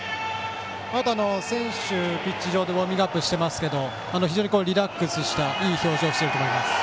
あとは選手がピッチ上でウォーミングアップしていますが非常にリラックスしたいい表情をしていると思います。